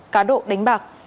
cá độ đánh bạc